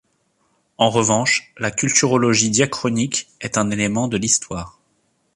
En revanche, la culturologie diachronique est un élément de l'histoire.